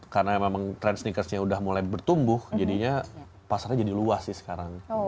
karena memang trend sneakersnya udah mulai bertumbuh jadinya pasarnya jadi luas sih sekarang